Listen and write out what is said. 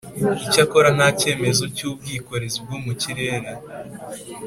Icyakora nta cyemezo cy ubwikorezi bwo mu kirere